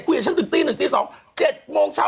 คุยกับฉันตึกตี๑๒๗โมงเช้า